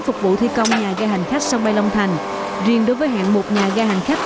phục vụ thi công nhà gai hành khách sân bay long thành riêng đối với hạng mục nhà ga hành khách